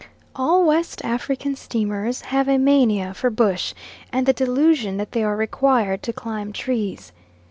All West African steamers have a mania for bush, and the delusion that they are required to climb trees.